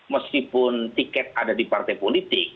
meskipun tiket ada di partai politik